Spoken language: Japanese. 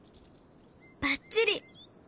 ばっちり！